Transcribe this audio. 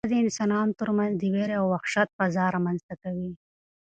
جګړه د انسانانو ترمنځ د وېرې او وحشت فضا رامنځته کوي.